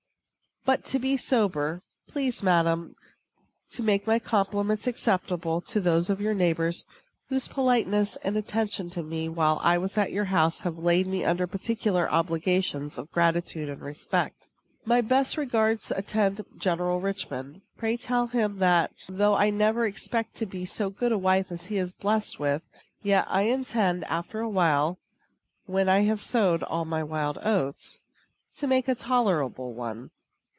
But to be sober. Please, madam, to make my compliments acceptable to those of your neighbors, whose politeness and attention to me while at your house have laid me under particular obligations of gratitude and respect. My best regards attend General Richman. Pray tell him that, though I never expect to be so good a wife as he is blessed with, yet I intend, after a while, (when I have sowed all my wild oats,) to make a tolerable one.